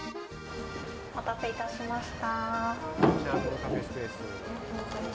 お待たせいたしました。